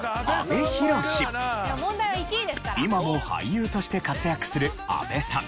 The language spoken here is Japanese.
今も俳優として活躍する阿部さん。